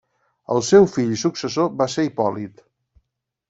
El seu fill i successor va ser Hipòlit.